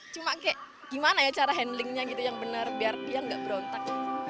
cuma kayak gimana ya cara handlingnya gitu yang benar biar dia nggak berontak